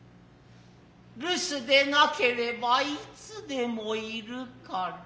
留守でなければ何時でも居るから。